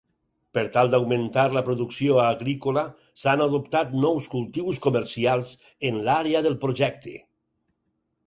Per tal d'augmentar la producció agrícola s'han adoptat nous cultius comercials en l'àrea del projecte.